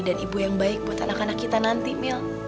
dan ibu yang baik buat anak anak kita nanti mil